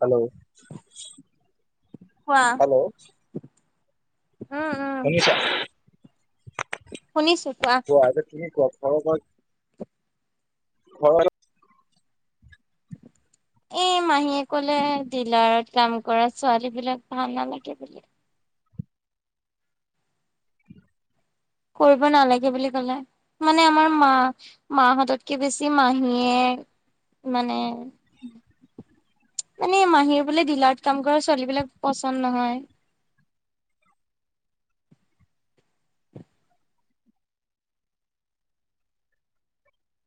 Hello, কোৱা hello. উম উম শুনিছা? শুনিছো, কোৱা? কোৱা, এতিয়া তুমি কোৱা, ঘৰ [inaudible] এই মাহীয়ে কলে, ''ডিলাৰত কাম কৰা ছোৱালী বিলাক ভাল নালাগে'' বুলি। হেল্লো। কৰিব নালাগে বুলি ক'লে। মানে আমাৰ মা- মাহতকে বেছি মাহীয়ে মানে এনে মাহীৰ বোলে, ডিলাৰত কাম কৰা ছোৱালীবিলাক পচন্দ নহয়।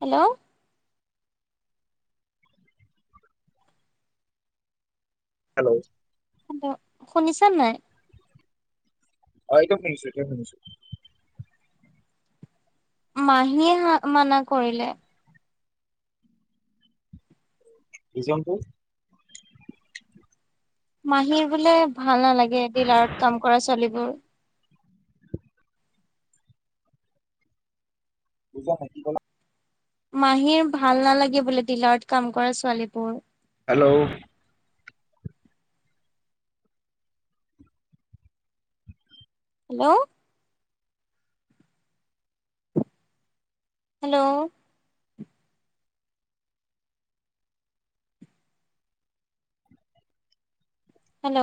হেল্লো'। হেল্লো'। হেল্লো'। শুনিছা নে নাই? হয়, এতিয়া শুনিছোঁ, এইটোয়ে শুনিছোঁ। মাহীয়ে হা মানা কৰিলে। ৰিজনটো? মাহীয়ে বোলে ভাল নালাগে, ডিলাৰত কাম কৰা ছোৱালীবোৰ। উম। বুজা নাই কি কলা? মাহীৰ ভাল নালাগে বোলে। ডিলাৰত কাম কৰা ছোৱালীবোৰ। হেল্লো'। হেল্ল'। হেল্ল'। হেল্ল'।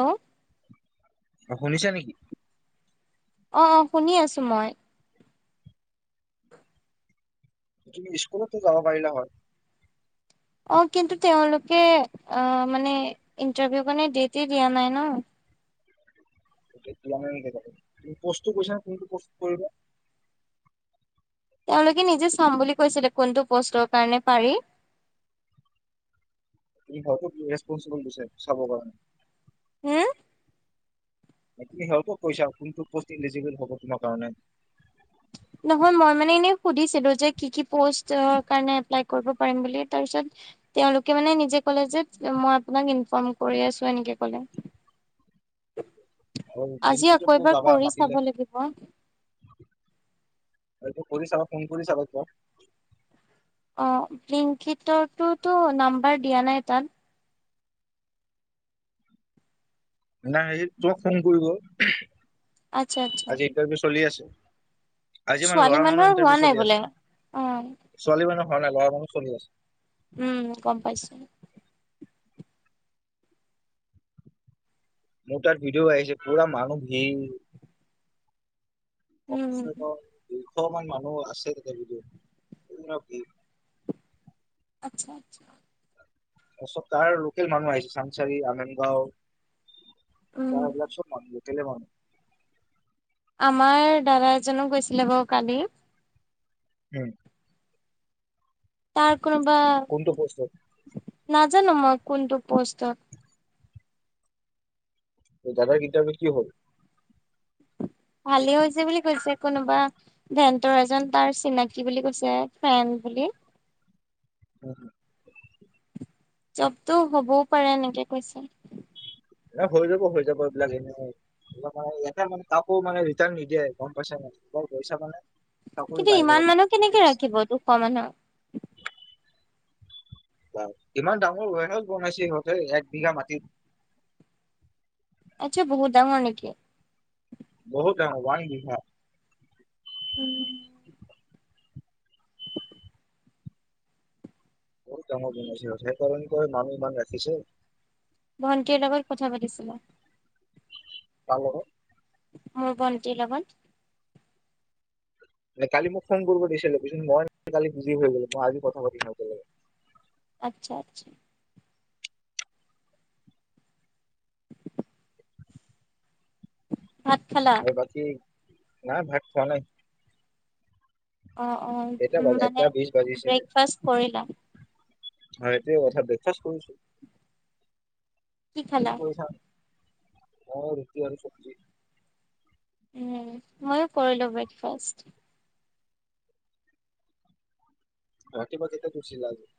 শুনিছা নেকি? অ- অ, শুনি আছো মই। তুমি স্কুলতটো যাব পাৰিলা হয়। অ, কিন্তু তেওঁলোকে অ, মানে ইণ্টাৰভিউ কাৰণে ডেটতে দিয়া নাই ন। কেতিয়াহে হেনেকে যাব। পোষ্টটো কৈছিল নে, কোনটো পোষ্টত কৰিবা? তেওঁলোকে নিজে চাম বুলি কৈছিলে। কোনটো পোষ্টৰ কাৰণে পাৰি। হয়টো ইৰেচপনচিবল দিছে চাবৰ কাৰণে। হম। তুমি সিহঁতক কৈছা? কোনটো পষ্ট এলিজিবল হ'ব তোমাৰ কাৰণে। নহয়, মই মানে এনেই সুধিছিলো যে কি কি পোষ্টৰ কাৰণে এপ্লাই কৰিব পাৰিম বুলি। তাৰ পিছত তেওঁলোকে মানে নিজেই কলে যে মই আপোনাক ইনফৰ্ম কৰি আছো, এনেকে কলে। হয়, আজি আকৌ ব্লিনকিতটো এবাৰ যাবা, কৰি চাব মাতিলে। লাগিব এইটো কৰি চাবা, ফোন কৰি চাবা তেওঁক। অ, ব্লিনকিটৰতটো নাম্বাৰ দিয়া নাই তাত। নাই হেৰি, তোমাক ফোন কৰিব। আতচ্ছা, আতচ্ছা। ইনটাৰভিউ চলিয়ে আছে। আজি মানে ছোৱালী ল'ৰা মানুহ মানুহৰ হোৱা ইন্টাৰভিউ নাই চলি বোলে আছে। অ ছোৱালী মানুহ হোৱা নাই, ল'ৰা মানুহৰ চলি আছে। উম, গম পাইছোঁ। মোৰ তাত ভিডিঅ'ও আহিছে পুৰা মানুহ ভিৰ। উম কমছে কম দুশমান মানুহ আছে, তাতে ভিডিঅ'ত কেনেকুৱা ভিৰ। আচ্ছা আচ্ছা। তাৰপিছত তাৰ লোকেল মানুহ আহিছে, চাংচাৰী, আমিনগাঁও উম তাৰ এইবিলাক চব মানুহে কেনে মানু্হ। আমাৰ দাদা এজনো গৈছিলে বাৰু কালি। উম। তাৰ কোনোবা কোনটো পষ্টত নাজানো মই কোনটো পোষ্টত। দাদাৰ ইণ্টাৰভিউত কি হ'ল? ভালে হৈছে বুলি কৈছে, কোনোবা ভেণ্টৰ এজন তাৰ চিনাকি বুলি কৈছে, ফ্ৰেণ্ড বুলি। উম', হুম। জবটো হ'বও পাৰে, এনেকে কৈছে। এ, হৈ যাব হৈ যাব, এইবিলাক এনেও সেইবিলাক মানুহ ইয়াতে মানে কাকো মানে ৰিটাৰ্ন নিদিয়ে, গম পাইছান নাই? কল কৰি চাবানে? কিন্তু ইমান মানুহ কেনেকে ৰাখিব? দুশ মানুহ। [inaudible] বাৰু, ইমান ডাঙৰ ওৱেৰহাউচ বনাইছে সিহঁতে, এক বিঘা মাটিত। আচ্ছা, বহু ডাঙৰ নেকি? বহুত ডাঙৰ, ওৱান বিঘা। উম'। বহুত ডাঙৰ বনাইছে, সিহঁতে মানে নাং বাং ৰাখিছে। ভন্তীৰ লগত কথা পাতিছিলো। কাৰ লগত? মোৰ ভন্তীৰ লগত। যে কালি মোক ফোন কৰিব দিছিলে, পিছত মই মানে কালি বিজি হৈ গলো। মই আজি কথা পাতিম সিহঁতৰ লগত। আচ্ছা, আচ্ছা। [inaudible] ভাত খালা? আৰু বাকী, নাই ভাত খোৱা নাই। অ', এটা অ' বাজ মানে ব্ৰেকফাষ্ট কৰিলা? হয়', এইটোয়ে কথা, ব্ৰেকফাষ্ট কৰিছোঁ। কি তুমি খালা কৰিছা নাই? মই ৰুটি আৰু চব্জি। উম ময়ো কৰিলো ব্ৰেকফাষ্ট। ৰাতিপুৱা কেইটাত উঠিলা আজি?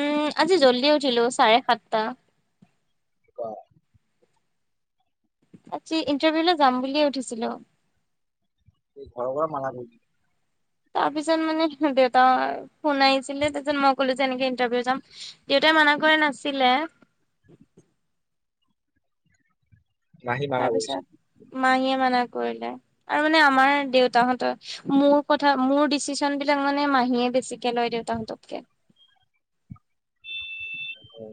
উম' আজি জল্ডি উঠিলো, চাৰে সাতটা। বা আজি ইন্টাৰভিউলৈ যাম বুলিয়ে উঠিছিলো। ঘৰৰ পৰা মানা কৰিছে? তাৰপিছত দেউতাৰ ফোন আহিছিলে, তাৰপিছত মই ক'লো যে এনেকে ইণ্টাৰভিউ যাম। দেউতাই মানা কৰা নাছিলে। মাহী মানা কৰিছে তাৰপিছত মাহীয়ে মানা কৰিলে, আৰু মানে আমাৰ দেউতাহঁতৰ মোৰ কথা মোৰ ডিচিচন বিলাক মানে মাহীয়ে বেছিকে লয়, দেউতাহঁততকে। উম'।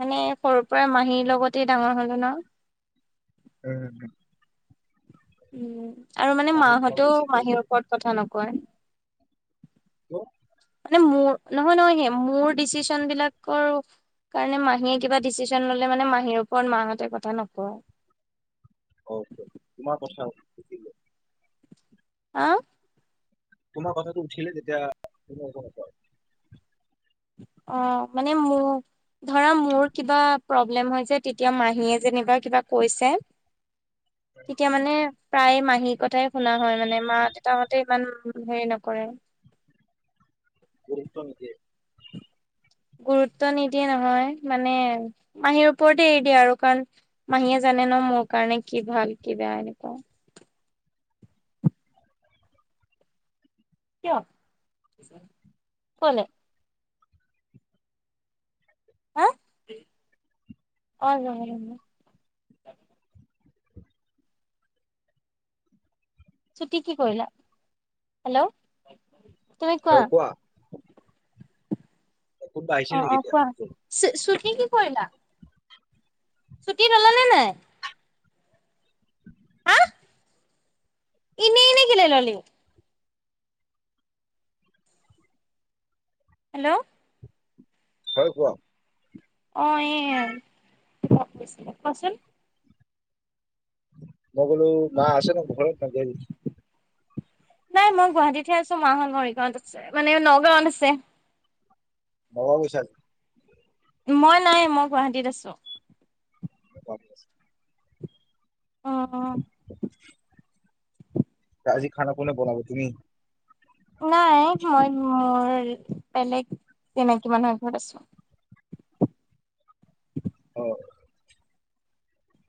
মানে, সৰুৰ পৰাই মাহীৰ লগতে ডাঙৰ হলো ন? হয় নেকি? উম, আৰু মানে মাহী তোমাক মাহঁতেও বেছি দিয়া মাহীৰ ওপৰত কথা নকয়। ত মানে মোৰ, নহয় নহয় সেইয়া মোৰ ডিচিশন বিলাকৰো কাৰণে মাহীয়ে কিবা ডিচিশন ললে মানে মাহীৰ ওপৰত মাহঁতে কথা নকয়। অ' সেইটো তোমাৰ কথা হা তোমাৰ কথাটো উঠিলে তেতিয়া, তুমি একো নোকোৱা? অ', মানে মোক ধৰা মোৰ, কিবা প্ৰব্লেম হৈছে তেতিয়া মাহীয়ে যেনিবা কিবা কৈছে [inaudible] তেতিয়া মানে প্ৰায় মাহীৰ কথাই শুনা হয় মানে, মা দেউতাহঁতে ইমান হেৰি নকৰে। গুৰুত্ব নিদিয়ে? গুৰুত্ব, নিদিয়ে নহয় মানে, মাহীৰ ওপৰতে এৰি দিয়ে আৰু কাৰণ মাহীয়ে জানে নহয় মোৰ কাৰণে কি ভাল কি বেয়া এনেকুৱা। কিয়, ক'লে? হা, অ'। ছুটি কি কৰিলা? হেল্ল', তুমি কোৱা। কোনবা আহিছিল নেকি এতিয়া? চু -চুন্নী কি কৰিলা? ছুটি ল'লা নে নাই? হা এনেই এনে কেলৈ ল'লি? হেল্ল'। হয়, কোৱা। অ এ [unintelligible] কোৱাচোন মগলো মা আছে ৰ ঘৰত নাযাবি গে? নাই মই গুৱাহাটীতহে আছোঁ, মাহত মৰিগাঁৱত আছে মানে নগাঁৱত আছে। অমাৱস্যাত মই নাই, মই গুৱাহাটীত আছোঁ। [unintelligible] অ [inaudible] আজি খানা কোনে বনাব, তুমি? নাই মই মোৰ বেলেগ চিনাকি মানুহৰ ঘৰত আছোঁ। অ'।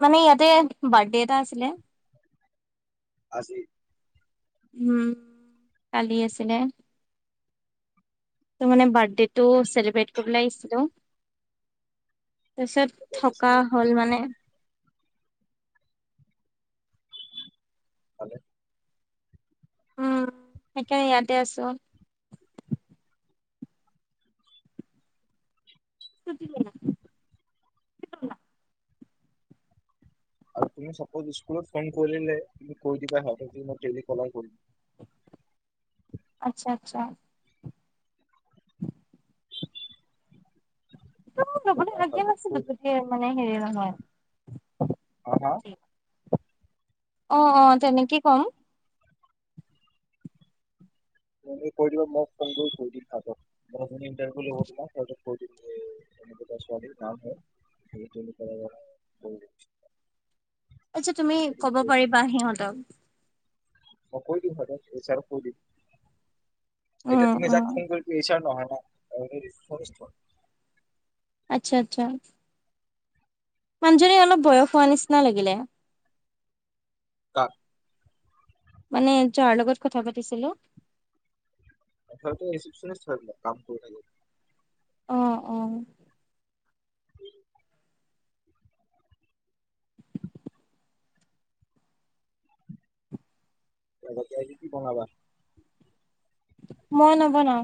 মানে ইয়াতে বাৰ্থডে এটা আছিলে। আজি উম, কালি আছিলে। ত মানে বাৰ্থডে টো চেলিব্ৰেট কৰিবলে আহিছিলোঁ, তাৰপিছত থকা হ'ল মানে [unintelligible] উম, সেইকাৰণে ইয়াতে আছোঁ। [unintelligible] আৰু তুমি চাপোজ স্কুলত ফোন কৰিলে তুমি কৈ দিবা মই ডেলি কলাৰ কৰিম। আচ্ছা, আচ্ছা। [inaudible] ত লবলৈ তেতিয়া হাগ দিয়া সিহঁতক নাছিলো কৈ ত মানে হেৰি নহয় অ', হা? অ', অ', তেনেকে ক'ম। তুমি কৈ দিবা মোক ফোন কৰি কৈ দিম সিহতক মই এ যোনে ইণ্টাৰভিউ ল'ব তোমাক সিহত কৈ দিম [unintelligible] ছোৱালীৰ নাম হয় সেইটো। [unintelligible] আচ্ছা, তুমি দিম কব পাৰিবা সিহঁতক। মই কৈ দিম হব, এইচ আৰ কৈ দিম, এতিয়া উম, তুমি উম, যাক ফোন কৰি এইচ আৰ নহয় ন। [unintelligible] আচ্ছা আচ্ছা। মানুহজনী অলপ বয়স হোৱা নিচিনা লাগিলে। কাক? মানে যাৰ লগত কথা পাতিছিলো। হয়টো ৰিচপশনিষ্ট হয় কাম কৰি থা অ', অ'। জলকীয়া দি কি বনাবা? মই নবনাও।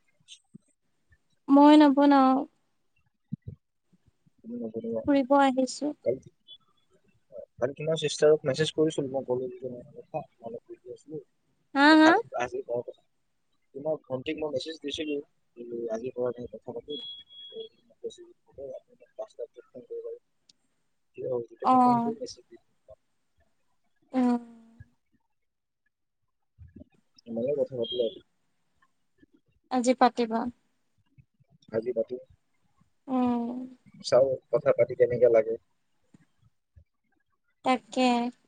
[inaudible] মই নবনাও। তুমি নবনোৱা ফুৰিব আহিছো [unintelligible] হয়, তোমাৰ চিষ্টাৰক মেছেজ কৰিছিলো মই কলো এনেকুৱা কথা অলপ বিজি আছিলো। হা হা [unintelligible] আজি [unintelligible] তোমাক ভণ্টিক মই মেছেজ দিছিলো, কিন্তু আজি পৰা নাই কথা পাতিবলৈ। অ', [unintelligible] উম। তোমাৰ লগত কথা পাতিলোঁ আজি। আজি পাতিবা? আজি পাতিম। উম। চাও কথা পাতি কেনেকা লাগে। তাকে।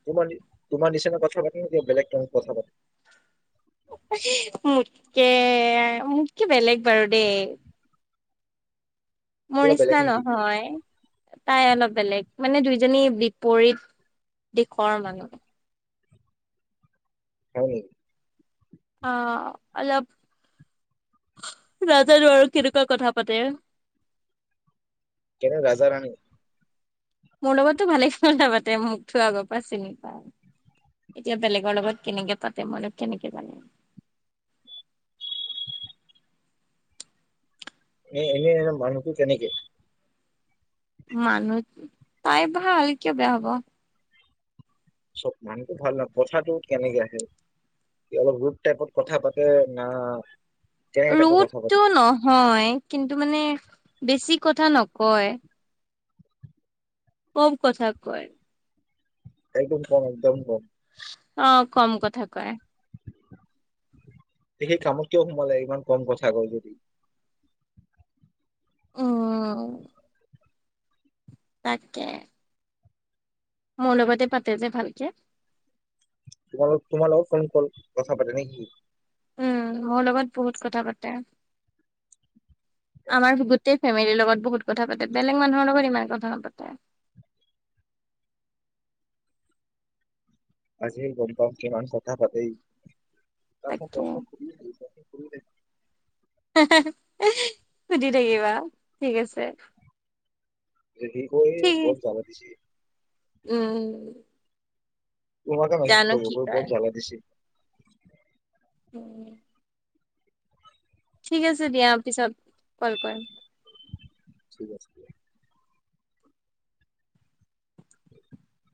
তোমাৰ-তোমাৰ নিচিনা কথা পাতে নে বেলেগ ধৰণত কথা পাতে? মোতকে, মোতকে বেলেগ বাৰু দেই। মোৰ কিবা বেলেগ নিছিনা নেকি নহয়। তাই অলপ বেলেগ, মানে দুইজনী বিপৰীত দিশৰ মানুহ। হয়নি? অ', অলপ নাজানো আৰু কেনেকুৱা কথা পাতে। [unintelligible] মোৰ লগততো ভালে কথা পাতে, মোকতো আগৰ পৰাা চিনি পায়। এতিয়া বেলেগৰ লগত কেনেকে পাতে মইনো কেনেকে জানিম। [unintelligible] মানুহ, তাই ভাল কিয় বেয়া হ'ব। [unintelligible] কথাটো কেনেকে আহে। অলপ ৰোদ টাইপত কথা পাতে না তেনেকে টাইপৰ ৰোদ কথা টো পাতিছিল নহয়, কিন্তু, মানে বেছি কথা নকয়। কম কথা কয়। একদম কম একদম কম। অঁ কম কথা কয়। তে সি কামত কিয় সোমালে ইমান কম কথা কয় যদি? অঁ তাকে। মোৰ লগতে পাতে যে ভালকে। তোমাৰ লগত তোমাৰ লগত ফোন কল কথা পাতে নেকি? উম, মোৰ লগত বহুত কথা পাতে, আমাৰ গোটেই ফেমেলিৰ লগত বহুত কথা পাতে, বেলেগ মানুহৰ লগত ইমান কথা নাপাতে। আজি গম পাও কিমান কথা পাতে ই, তাকচোন তাকে প্ৰশ্নই [unintelligible] সুধি থাকিবা ঠিক আছে। হেৰি কৰি ঠিক বহুত জালা দিছি। উম। তোমাকে মেছেজ জানো কি কৰোঁ [inaudible] বৰ কয় জালা দিছি। উম। ঠিক আছে দিয়া, পিছত কল কৰিম। ঠিক আছে দিয়া। [inaudible]